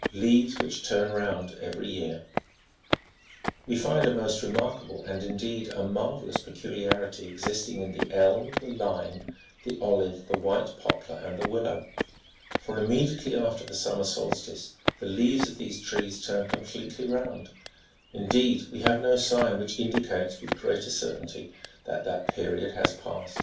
LEAVES WHICH TURN ROUND EVERY YEAR. "We find a most remarkable and, indeed, a marvellous peculi arity54 existing in the elm, the lime,' the olive, the white pop lar, and the willow ; for immediately after the summer solstice the leaves of these trees turn completely round ; indeed, we have no sign which indicates with greater certainty that that period has past.